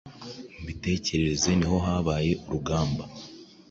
Mu mitekerereze ni ho habera urugamba.